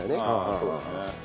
そうだね。